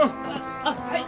あっはい！